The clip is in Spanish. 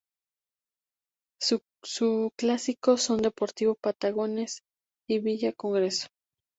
Su clásicos son Deportivo Patagones y Villa Congreso.